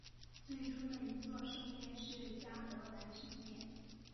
最初的一座圣殿是嘉德兰圣殿。